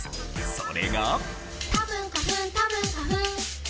それが。